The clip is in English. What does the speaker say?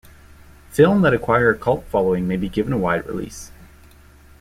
Film that acquire a cult following may be given a wide release.